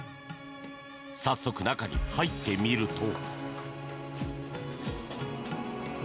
早速中に入ってみると。